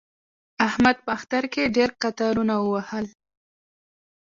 احمد په اختر کې ډېر قطارونه ووهل.